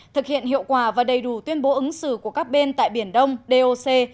thực hiện hiệu quả và đầy đủ tuyên bố ứng xử của các bên tại biển đông doc